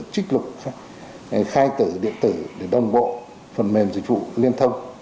trích lục khai tử điện tử để đồng bộ phần mềm dịch vụ liên thông